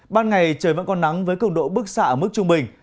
ban ngày trời vẫn còn nắng với cường độ bức xạ ở mức trung bình